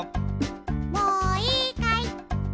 もういいかい？